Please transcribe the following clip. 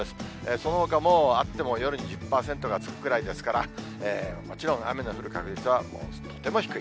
そのほかも、あっても夜に１０％がつくくらいですから、もちろん雨の降る確率はもうとっても低い。